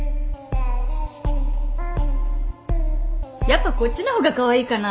やっぱこっちの方がカワイイかな？